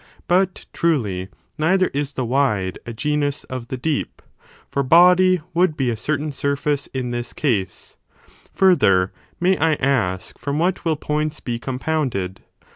But, truly, neither is the wide a genus of the deep ; for body would be a certain sur&ce in this case. Further, may I ask from what will points be compounded?